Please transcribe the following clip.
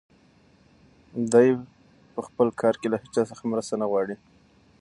دی په خپل کار کې له هیچا څخه مرسته نه غواړي.